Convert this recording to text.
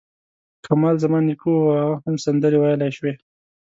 کمال زما نیکه و او هغه هم سندرې ویلای شوې.